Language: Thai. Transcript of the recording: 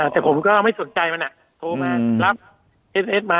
แต่ผมก็ไม่สนใจมันนะโทรมา